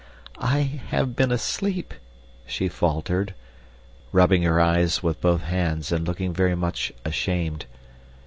"I have been asleep," she faltered, rubbing her eyes with both hands and looking very much ashamed.